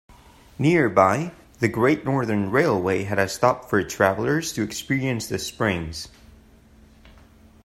Nearby, the Great Northern Railway had a stop for travelers to experience the springs.